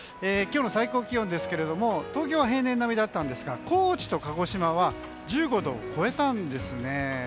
今日の最高気温ですが東京は平年並みだったんですが高知と鹿児島は１５度を超えたんですね。